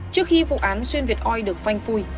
trước khi vụ án xuyên việt oi được phanh phui